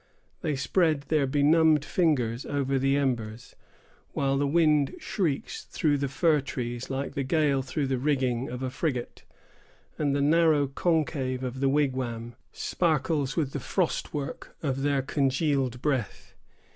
They spread their benumbed fingers over the embers, while the wind shrieks through the fir trees like the gale through the rigging of a frigate, and the narrow concave of the wigwam sparkles with the frost work of their congealed breath.